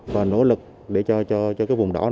và nỗ lực để cho vùng đỏ